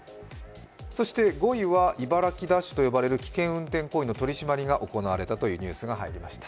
そして５位は茨城ダッシュと呼ばれる危険行為の取り締まりが行われたというニュースが入りました。